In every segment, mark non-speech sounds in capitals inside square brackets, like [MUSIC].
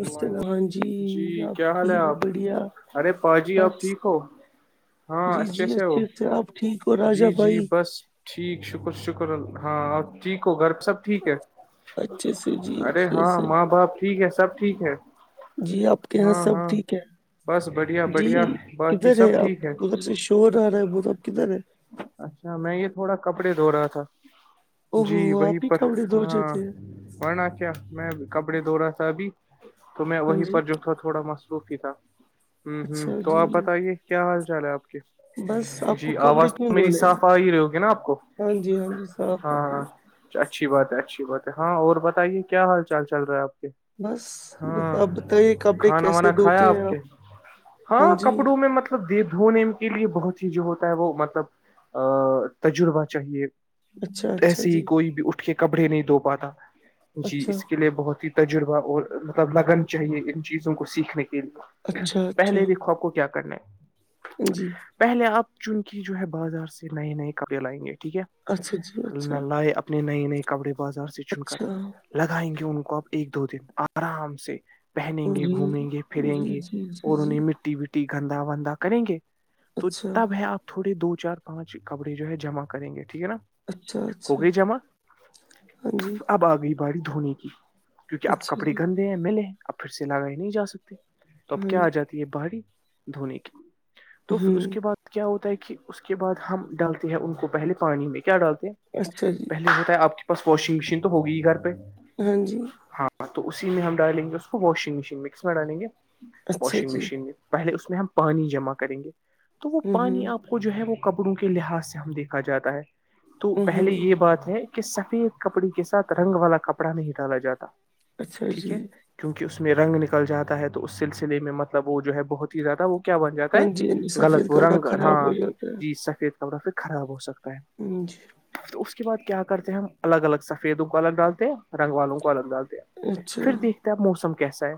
السل ہاں جی آپ کیا حال ہے ٹھیک آپ بڑھیا ارے پاجی آپ بس ٹھیک ہو ہاں جی اچھے جی سے وہ آپ ٹھیک ہو راجا جی جی بھائی بس ٹھیک شکر شکر اللہ ہاں آپ ٹھیک ہو گھر سب ٹھیک ہے اچھے سے جی ارے اچھے ہاں سے ماں باپ ٹھیک ہے سب ٹھیک ہے جی آپ کے یہاں ہاں سب ہاں ٹھیک ہے بس بڑھیا جی بڑھیا باقی کدھر ہے سب آپ ٹھیک ادھر سے شور آرہا ہے آپ کدھر ہے اچھا میں یہ تھوڑا کپڑے دھو رہا تھا او جی ہو وہیں آپ ہی پر کپڑے دھو ہاں دیتے ہیں ورنہ کیا میں کپڑے دھو رہا تھا ابھی تو میں ہاں وہیں جی پر جو تھا تھوڑا مصروف ہی تھا ہوں ہوں اچھا تو آپ جی بتائیے کیا حال چال ہے آپ کے بس آپ کو جی کپڑے آواز کیوں تو میری دھونے ہیں صاف آ ہی رہی ہوگی نا آپ کو ہاں جی ہاں جی ہے ہاں اچھی بات ہے اچھی بات ہے ہاں اور بتائیے کیا حال چال چل رہا ہے آپ کے بس بس آپ ہاں بتائیے کپڑے کھانا کیسے وانا کھایا دھوتے ہیں آپ کے ہاں کپڑوں میں مطلب مطلب دی دھونے کے لیے بہت ہی جو ہوتا ہے وہ مطلب تجربہ چاہیے اچھا اچھا ایسے ہی جی کوئی بھی اٹھ کے کپڑے نہیں دھو پاتا جی اچھا اس کے لیے بہت ہی تجربہ اور مطلب لگن چاہیے ان چیزوں کو سیکھنے کے لیے اچھا پہلے اچھا دیکھو آپ کو کیا کرنا ہے جی پہلے آپ چن کی جو ہے بازار سے نئے نئے کپڑے لائیں گے ٹھیک ہے اچھا جی اچھا اللہ لائے اپنے نئے نئے کپڑے بازار سے چن کر اچھا لگائیں گے ان کو ا ایک دو دن آرام سے پہنیں گے جی گھومیں گے پھریں جی گے جی جی اور جی انہیں مٹی بھی گندا وندا کریں گے تو اچھا تب ہے آپ تھوڑے دو چار پانچ کپڑے جو ہے جمع کریں گے ٹھیک ہے نا اچھا ہو اچھا گئی جمع ہاں جی اب آ گئی بی دھونے کی کیونکہ اپ اچھا کپڑے جی گندے ہیں ملے ہیں اب پھر سے لگائی نہیں جا سکتے تو اب ہاں کیا جی آ جاتی ہے باہاری دھونے کی تو پھر اس ہوں کے بعد کیا ہوتا ہے کہ اس کے بعد ہم ڈالتے ہیں ان کو پہلے پانی میں کیا ڈالتے ہیں اچھا جی پہلے ہوتا ہے آپ کے پاس واشنگ مشین تو ہوگیئی ہی گھر پہ ہاں جی ہاں تو اسی میں ہم ڈالیں گے اس کو واشنگ مشین میں کس میں ڈالیں گے اچھا واشنگ جی مشین میں پہلے اس میں ہم پانی جمع کریں گے تو وہ ہوں ہوں پانی آپ کو جو ہے وہ کبروں کے لحاظ سے ہم دیکھا جاتا ہے تو ہوں ہوں پہلے یہ بات ہے سفید کپڑی کے ساتھ رنگ والا کپڑا نہیں ڈالا جاتا اچھا ٹھیک جی ہے کیونکہ اس میں رنگ میں نکل جاتا ہے تو اس سلسلے میں مطلب وہ جو ہے بہت ہی زیادہ وہ کیا بن جاتا ہاں ہے جی ہاں جی غلط سفید وہ کپڑا رنگ خراب ہاں ہو جاتا ہے جی سفید کبرہ پھر خراب ہو سکتا ہے جی تو اس کے بعد کیا کرتے ہیں ہم الگ الگ سفیدوں کو الگ ڈالتے ہیں رنگ والوں کو الگ ڈالتے اچھا پھر دیکھتا ہے موسم کیسا ہے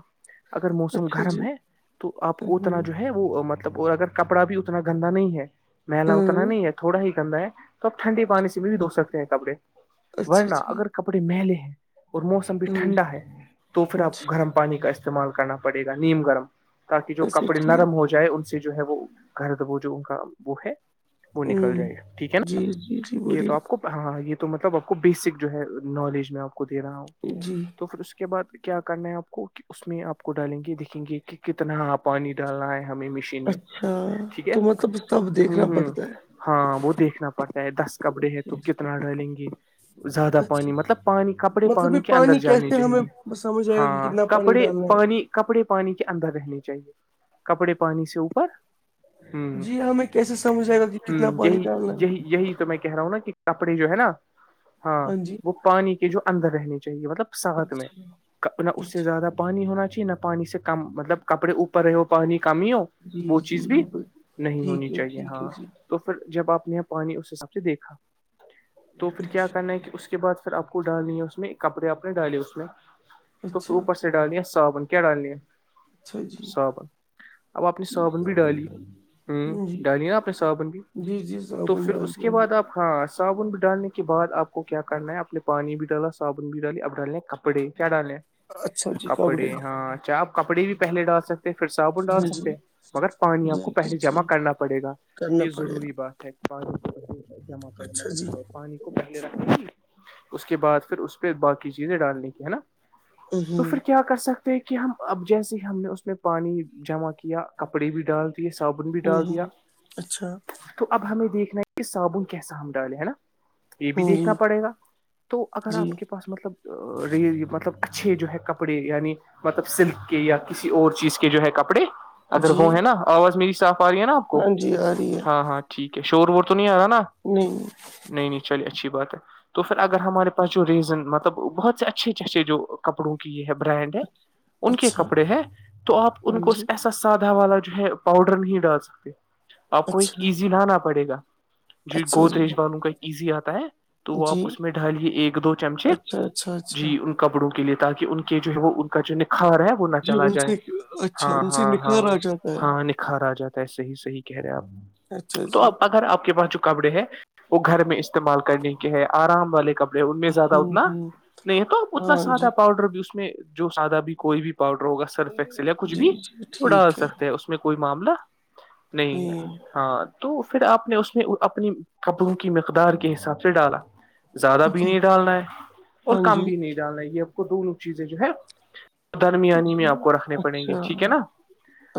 اگر موسم اچھا جی گرم ہے تو آپ کو اتنا ہوں جو ہے وہ مطلب اگر کپڑا بھی اتنا گندا نہیں ہے محلا ہاں اتنا نہیں ہے تھوڑا ہی گندا ہے تو آپ ٹھنڈے پانی سے بھی بھی دھو سکتے ہیں کپڑے اچھا ورنہ جی اگر کپڑے مہلے ہیں اور موسم بھی ہاں جی ٹھنڈا ہے تو پھر آپ اچھا گرم پانی کا استعمال کرنا پڑے گا نیم گرم تاکہ جو اچھا کپڑے ٹھیک نرم ہو جائے ان سے جو ہے وہ گھرد وہ جو ان کا وہ ہے وہ نکل ہوں جائے گا ٹھیک ہے نا جی جی جی یہ تو بڑھیا آپ کو ہاں یہ تو مطلب آپ کو بیسک جو ہے نالج میں آپ کو دے رہا ہوں جی تو پھر اس کے بعد کیا کرنا ہے آپ کو کہ اس میں آپ کو ڈالیں گے دھیں گے کہ کتنا آپ پانی ڈالنا ہے ہمیں مشین میں اچھا ٹھیک ہے تو مطلب سب دیکھنا ہ ہ پڑتا ہے ہاں وہ دیکھنا پڑتا ہے دس کپڑے ہے تو کتنا ڈلیں گے زیادہ اچھا پانی جی مطلب پانی کپڑے مطلب پانی یہ کے اندر جانے کیسے چاہیے ہمیں سمجھ آئے گا کہ ہاں کتنا پانی کپڑے ڈالنا ہے پانی کپڑے پانی کے اندر رہنے چاہیے کپڑے پانی سے اوپر ہ ہ جی ہمیں کیسے سمجھ جائے گا ج کتنا پانی یہی ڈالنا یہی ہے یہی تو میں کہہ رہا ہوں نا کہ کپڑے جو ہے نا ہاں وہ پانی کے جو اندر رہنے چاہیے مطلب ساتھ میں اچھا نہ اس سے اچھا زیادہ پانی ہونا چاہیے نہ پانی سے کم مطلب کپڑے اوپر رہ ہو پانی کم ہی ہو جی وہ جی چیز بھی جی ب نہیں ہونی ٹھیک ہے چاہیے ٹھیک ہے ہاں جی تو پھر جب آپ نے یہ پانی اس حساب سے دیکھا تو پھر کیا اچھا کرنا ہے کہ اس کے بعد پھر آپ کو ڈالنی ہے اس میں کپڑے اپپ نے ڈالے اس میں تو پھر اچھا اوپر سے ڈالیا سابن کیا ڈالنی ہے اچھا جی صابن اب اپنی جی صابن بھی ڈالی ڈال ہ جی ڈالیے نا اپنے صابن بھی جی جی تو صاابن پھر ڈال اس دیا کے ہمپ بعد لوگ آپ ہاں صابن بھی ڈالنے کے بعد آپ کو کیا کرنا ہے آپ نے پانی بھی ڈالا صابن بھی ڈالی اب ڈالنا ہے کپ کپڑے کیا ڈالیں اچھا جی کپڑے ہاں اچھا آپ کپڑے بھی پہلے ڈال سکتے پھر صابن ڈال ہاں جی سکتے ہیں مگر پانی آپ کو جی جی پہلے جمع جی کرنا پڑے گا کرنا یہ پڑے ضروری گا بات ہے پانی جمع کریں اچھا جی مطلب پانی پہلے رکھنے کی اس کے بعد پھر اس پہ باقی چیزیں ڈالنے کی ہے نا ہ تو ہ پھر کیا کر سکتے ہیں کہ ہم اب جیسے ہی ہم نے اس میں پانی جمع کیا کپڑے بھی ڈال صابن بھی ہ ڈال دیا ہ اچھا تو اب ہمیں دیکھنا ہے کہ صابن کیسا ہم ڈالیں ہے نا یہ بھی دیکھنا جی پڑے گا تو اگر جی آپ کے پاس مطلب ی مطلب اچھے جو ہے کپڑے یعنی مطلب سلک کے یا کسی اور چیز کے جو ہے کپڑے اگر جی وہ ہے نا آواز میری صاف آ رہی ہے نا آپ ہاں کو جی آ رہی ہے ہاں ہاں ٹھیک ہے شور وور تو نہیں آ رہا نا نہیں نہیں نہیں چلیے اچھی بات ہے تو پھر اگر ہمارے پاس جو ریزن مطلب بہت سے اچھے اچھ اچھے جو کپڑوں کی یہ ہے برانڈ ہے ان کے اچھا کپڑے ہیں تو آپ ان ہاں کو جی اس ایسا سادا والا جو ہے پاؤڈر نہیں ڈال سکتے آپ کو ایک اچھا ایزی لانا پڑے گا جو اچھا گودریج جی بالوں کا ایزی آتا ہے تو وہ آپ اس میں ڈالیے ایک دو چمچے اچھ اچا جی ان کپڑوں کے لیے تاکہ ان کے جو ہے وہ ان کا جو نکھار ہے وہ نہ جی چلا ان جائے سے اچھا ہاں ان سے ہاں ہاں نکھار آ جاتا ہے ہاں نکھار آ جاتا ہےسے ہی صحیح کہہ رہے آپ اچھا تو جی آپ اگر آپ کے پاس جو کپڑے ہے وہ گھر میں استعمال کرنے کے ہے آرام والے کپڑے ان میں زیادہ ہوں اتنا ہوں نہیں ہے تو اتنا ہاں جی سادہ پاؤڈر بھی اس میں جو سادہ بھی کوئی بھی پاؤڈر ہوگا سرفسل یا کچھ جی بھی جی تو ڈال ٹھیک ہے سکتے ہیں اس میں میں کوئی معاملہ نہیں ہے ہاں تو پھر آپ نے اس میں اپنی قبروں کی مقدار کے حساب سے ڈالا زیادہ بھی نہیں ڈالنا ہے اور ہاں کم جی بھی نہیں ڈالنا ہے یہ آپ کو دونوں چیزیں جو ہے درمیانی میں جی آپ کو رکھنے پڑیں گے اچھا ٹھیک ہے نا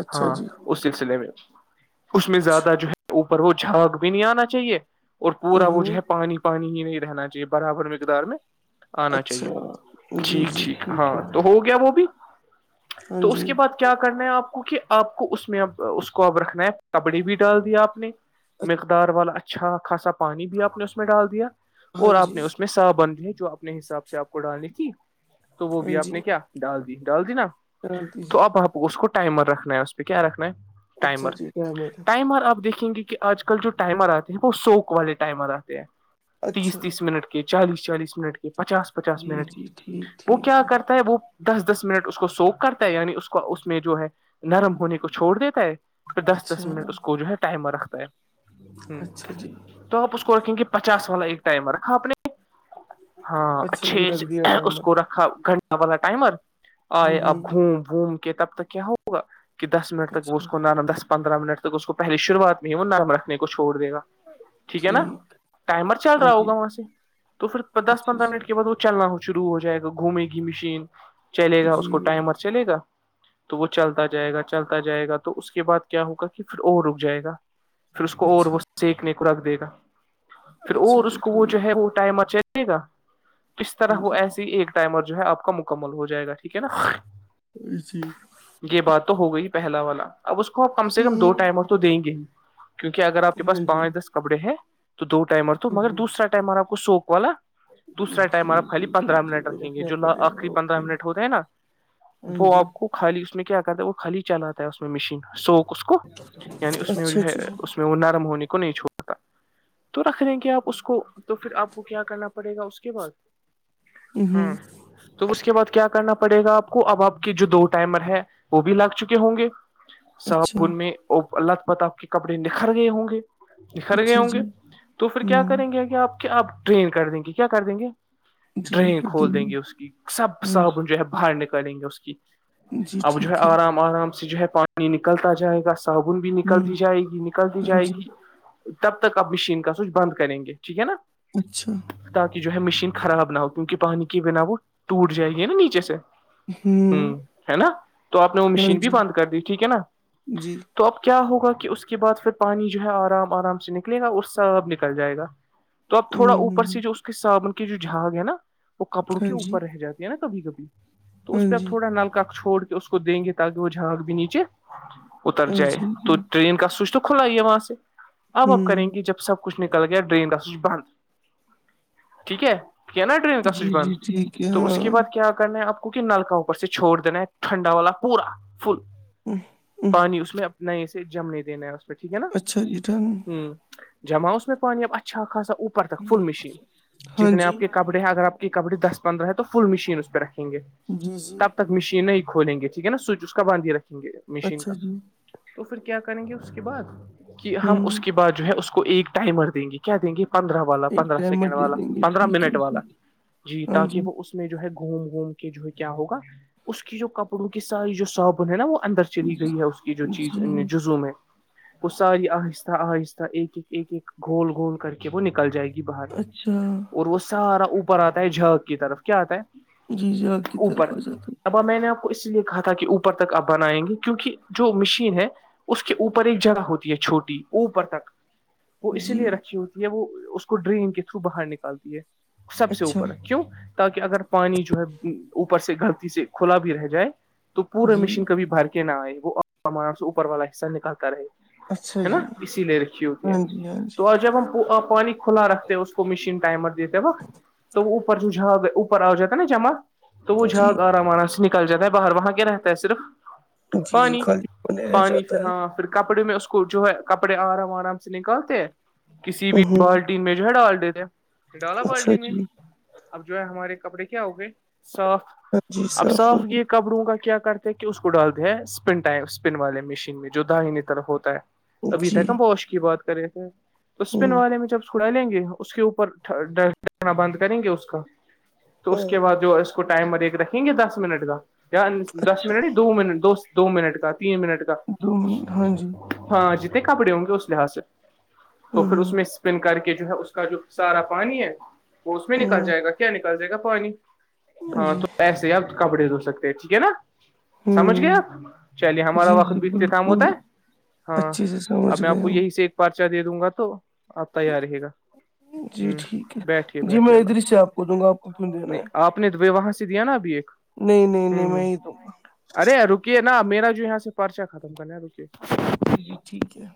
اچھا ہاں جی اس سلسلے میں اس میں اچھا زیادہ جو ہے اوپر وہ جھاگ بھی نہیں آنا چاہیے اور پورا وہ جو ہوں ہے پانی پانی ہی نہیں رہنا چاہیے برابر مقدار میں آنا چاہیے اچھا جی ٹھیک جی ٹھیک ہاں ہے تو ہو گیا وہ بھی ہاں تو اس جی کے بعد کیا کرنا ہے آپ کو کہ آپ کو اس میں اب اس کو اب رکھنا ہے کپڑی بھی ڈال دیا آپ نے مقدار والا اچھا خاصا پانی بھی آپ نے اس میں ڈال دیا ہاں اور آپ جی نے اس میں سا بن دی جو اپنے حساب سے آپ کو ڈالنی تھی تو وہ بھی ہاں آپ جی نے کیا ڈال دیی ڈال دیی نا شانتی تو جی آپ اس کو ٹائمر رکھنا ہے اس پہ کیا رکھنا ہے اچھا ٹائمر جی ٹائم ہو رہا ٹائمر آپ دیکھے یں گے کہ آج کل جو ٹائمر آتے ہیں وہ سوک والے ٹائمر آتے ہیں اچھا تیس تیس منٹ کا چالیس چالیس منٹ کے پچاس پچاس جی منٹ جی کے ٹھیک وہ ٹھیک کیا کرتا ہے وہ دس دس منٹ اس کو سوک کرتا ہے یعنی اس کو اس میں جو ہے نرم ہونے کو چھوڑ دیتا ہے پھر دس اچھا دس منٹ اس کو جو ہے ٹائمر رکھتا ہے اچھا ہ جی تو آپ اس کو رکھیں گے پچاس والا ایک ٹائم ہے رکھا آپ نے ہاں اچھا جی اچھے رکھ دیا سے اس ٹائمر کو رکھ گھنٹہ والا ٹائمر آئے ہوں ہوں اب گھوم ووم کے تب تک کیا ہوگا کہ دس منٹ تک وہ اچھا اس کو نرم دس پندرہ منٹ تک اس کو پہلی شروعات میں ہی وہ نرم رکھنے کو چھوڑ د گا ٹھیک ہے نا ٹائمر چل ہاں رہا جی ہوگا وہاں سے تو پھر دس اچھا پندرہ جی منٹ کے بعد وہ چلنا ہو شروع ہو جائے گا گھومے گی مشین چلے گا جی اس کو ٹائمر چلے گا تو وہ چلتا جائے گا چلتا جائے گا تو اس کے بعد کیا ہوگا کہ پھر اور رک جائے گا پھر اس کو اور وہ اچھا سینکنے کو رکھ دے گا پھر اچھا اور اس جی کو وہ جو ٹھیک ہے وہ ٹائم اچے گا کس طرح ہاں وہ جی ایسی ایک ٹائمر جو ہے آپ کا مکمل ہو جائے گا ٹھیک ہے نا ا جی یہ بات تو ہو گئی پہلا والا اب اس کو اپ کم سے کم دو ہوں ٹائمر تو دیں گے ہی کیونکہ اگر آپ کے ہاں پاس جی پانچ دس کپڑے ہیں تو دو ٹائمر تو مگر ہوں دوسرا ٹماراپ کو سوک والا دوسرا ٹائم جی آپ خالی جی جی پندرہ جی منٹ وہ رکھیں گے رکھنا جولہ پڑے گا آخری پندرہ اوکے منٹ ہوتے ہیں نا ہاں وہ جی آپ کو خالی اس میں کیا کہتا ہے وہ خالی چلاتا ہے اس میں مشین سو کو یعنی اس میں جو اچھا ہے جی اس میں وہ نرم ہونے کو نہیں چھوڑتا تو رکھ دیں کہ آپ اس کو تو پھر آپ کو کیا کرنا پڑے گا اس کے بعد ہاں ہوں تو اس کے بعد کیا کرنا پڑے گا آپ کو اب آپ کے جو دو ٹائمر ہے وہ بھی لگ چکے ہوں گے اچھا س میں اللہ ت پطپ کے کپڑے نکھر گئے ہوں گے کھر گئے اچھا ہوں جی گے تو پھر کیا ہوں کریں گے آگے آپ کے آپ ٹرین کر دیں گے کیا کر دیں گے ڈرین کھول دیں گے اس کی سب ہاں صابن جو ہے باہر نکالیں گے اس کی جی جی اب جو ہے ٹھیک آرام آرام سے جو ہے پانی نکلتا جائے گا صابن بھی ہوں نکلتی جائے گی نکلتی ہاں جائے جی گی تب تک آپ مشین کا سوچ بند کریں گے ٹھیک ہے نا اچھا تاکہ جو ہے مشین خراب نہ ہو کیونکہ پانی کی بنا وہ ٹوٹ جائے گی نا نیچے سے ہوں ہے نا تو آپ نے وہ ہاں مشین بھی جی بند کر دی ٹھیک ہے نا جی تو اب کیا ہوگا کہ اس کے بعد پھر پانی جو ہے آرام آرام سے نکلے گا اور سب نکل جائے گا [INAUDIBLE] تو اب تھوڑا اوپر ہ ہ سے جو اس کے صابن کی جو جھاگ ہے نا وہ کپڑوں ہاں کے جی اوپر رہ جاتی ہے نا کبھی کبھی تو اس ہاں پہ آپ جی تھوڑا نلکا چھوڑ کے اس کو دیں گے تاکہ وہ جھانگ بھی نیچے اتر جائے اچھا تو جی ٹرین کا سوئچ تو کھلا ہی ہے وہاں سے اب اب ہوں کریں گے جب سب کچھ نکل گیا ڈرین ر سوھ بند ٹھیک ہے کیا نا ٹرین کا جی سوچ بند جی ٹھیک ہے تو اس کے ہاں بعد کیا کرنا آپ کو نلک اوپر سے چھوڑ دینا ہے ٹھنڈا والا پورا فل [INAUDIBLE] پانی اس میں نئے سے جمنے دینا ہے اچھا یہٹن جما اس میں پانی اب اچھا خاصا اوپر تک فل مشین ہاں جتنے جی آپ کے کب کڑے اگر آپ کے کپڑے دس پندرہ ہے تو فل مشین اس پہ رکھیں گے جی جی تب تک مشین ہی کھولیں گے ٹھیک ہے نا سوچ اس کا بند ہی رکھیں گے مشین اچھا کا جی تو پھر کیا کریں گے اس کے بعد کہ ہم ہوں اس کے بعد جو ہے اس کو کو ایک ٹائم مر دیں گے کیا دیں گے پندرہ والا ایک پندرہ ٹائمر سیکنڈ دے والا دیں گے پندرہ ٹھیک منٹ ہے والا جی جی تاکہ وہ اس میں جو ہے گھوم گھوم کے جو کیا ہوگا اس کی جو کپڑوں کی ساری جو صابن ہے نا وہ اندر چلی گئی ہے اس کی جو چیز جی جو ز میں وہ ساری آہستہ آہستہ ایک ایک ایک گھول گھول کر کے وہ نکل جائے گی باہر اچھا اور وہ سارا اوپر آتا ہے جک کی طرف کیا آتا ہے جی جی آپ کی طرف اوپر آ جاتا ہوں ابا میں نے آپ کو اس لیے کہ تھا کہ اوپر تک آپ بنائیں گے کیونکہ جو مشین ہے اس کے اوپر ایک جگہ ہوتی ہے چھوٹی اوپر تک وہ ہوں اسی جی لیے رکھی ہوتی ہے وہ اس کو ڈرین کے تھرو باہر نکالتی ہے سب سے اچھا اوپر کیوں تاکہ اگر پانی جو ہے اوپر سے گھھرتی سے کھلا بھی رہ جائے تو پورا جی مشین کبھی بھر کے کہ نہ آ ہے وہ ہمار سے اوپر والا حصہ نکلتا رہے اچھا ہے نا جی اسی لیے رکھی ہوتی ہے ہاں جی ہاں جی تو اور جب ہم پانی کھلا رکھتے اس کو مشین ٹائمر دیتے توپر جو جا گپر آ جاتتا نا جم تو وہ جی جھاگ آرام آرام سے نکل جاتا ہے باہر وہاں کیا رہتا ہے صرف جی جی پانی خالی ہونے رہ پانی جاتا پھر ہاں پھر کپڑے میں اس کو جو ہے کپڑے آرام آرام سے نکالتے کسی ہے بھی ہ بالٹین میں جو ہے ڈال دیتے ڈالا اچھا بالٹین میں جی بھی اب جو ہے ہمارے کپڑے کیا ہو گئے صاف ہاں جی اب ہو صاف یہ کبڑروں کا کیا کرتے ہیں کہ اس کو ڈالتے ہیں اسپن والے مشین میں جو دائنی طر ہوتا ہے گئی ابھی جی تک ہم ووش کی بات کرے تھے تو اس پن ہوں والے میں جب ڑا لیں گے اس کے اوپر ڈنا بند کریں گے اس کا تو اس کے بعد جو ٹائم ا ایک رکھیں گے دس منٹ کا یا دس اچھا منٹ ہی دو منٹ دو منٹ کا تین منٹ کا دو منٹ ہاں جی ہاں جتنے کپڑے ہوں گے اس لحاظ سے تو ہوں پھر اس میں پن کر کے جو ہے اس کا جو سارا پانی ہے وہ اس میں نکل ہوں جائے گا کیا نکل جائے گا پانی ہوں ہاں جی تو ایسے ہی آپ کپڑے دھو سکتے ٹھیک ہے نا سمجھ ہوں گئے آپ چلیے ہمارا جی وقت جی بھی ات کاام بالکل ہوتا ہے ہاں اچھے سے سمجھ اب میں آپ گئے کو ہم یہی سے پرچا دے دوں گا تو آ تی رہے گا جی ہ ٹھیک بیٹھیے ہے جی بیٹھیے میں اللہ ادھر سے حافظ آپ کو دوں گا آپ کو کیوں دینا نہیں ہے آپ نے وہاں سے دیا نا ابھی ایک نہیں نہیں ہ نہیں ہ میں ہی دوں گا ارے رکیے نا میرا جو یہاں سے پرچا ختم کرنے رکیے جی جی ٹھیک ہے